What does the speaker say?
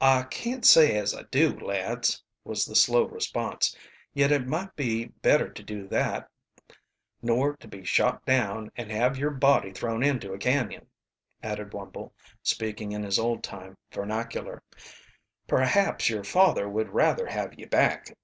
"I can't say as I do, lads," was the slow response. "Yet it might be better to do that nor to be shot down and have yer body thrown into a canyon," added Wumble, speaking in his old time vernacular. "Perhaps your father would rather have ye back."